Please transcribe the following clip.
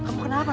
kamu kenapa nak